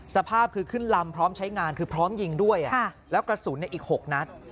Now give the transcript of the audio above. สภาพคือขึ้นลำพร้อมใช้งานคือพร้อมยิงด้วยแล้วกระสุนอีก๖นัด